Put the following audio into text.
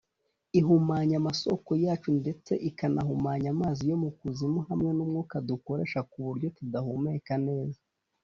ihumanya amasoko yacu ndetse ikanahumanya amazi yo mu kuzimu hamwe n’umwuka dukoresha ku buryo tudahumeka neza”